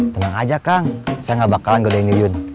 tenang aja kang saya nggak bakalan godein yuyun